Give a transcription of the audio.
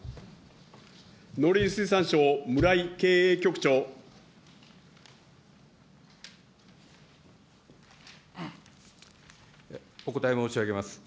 農林水産省、お答え申し上げます。